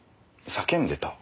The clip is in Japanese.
叫んでた？